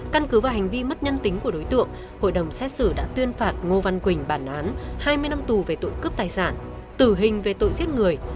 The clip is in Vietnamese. căn cứ vào hành vi mất nhân tính của đối tượng hội đồng xét xử đã tuyên phạt ngô văn quỳnh bản án hai mươi năm tù về tội cướp tài sản tử hình về tội giết người